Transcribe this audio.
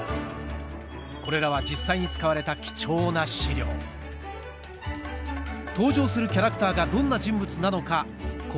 これらは実際に使われた登場するキャラクターがどんな人物なのか事